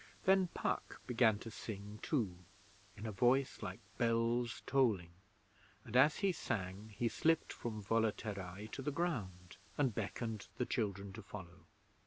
Then Puck began to sing too, in a voice like bells tolling, and as he sang he slipped from Volaterrae to the ground, and beckoned the children to follow.